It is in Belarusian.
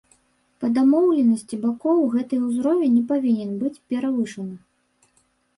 Па дамоўленасці бакоў, гэты ўзровень не павінен быць перавышаны.